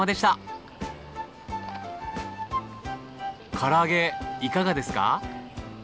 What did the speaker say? からあげいかがですか？